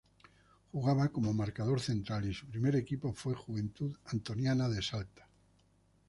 Jugaba como marcador central y su primer equipo fue Juventud Antoniana de Salta.